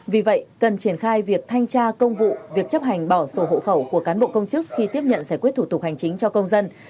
vì vậy cần triển khai việc thanh tra công vụ việc chấp hành bỏ sổ hộ khẩu của cán bộ công chức khi tiếp nhận giải quyết thủ tục hành chính cho công dân